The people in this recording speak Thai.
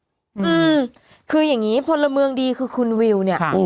อืมคืออย่างงี้พลเมืองดีคือคุณวิวเนี่ย